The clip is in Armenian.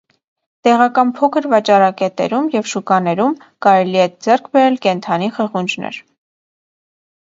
Տեղական փոքր վաճառակետերում և շուկաներում կարելի է ձեռք բերել կենդանի խխունջներ։